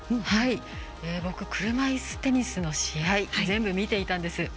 僕、車いすテニスの試合全部、見ていたんです。